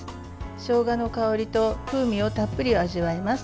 しょうがの香りと風味をたっぷり味わえます。